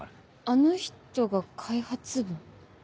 あの人が開発部？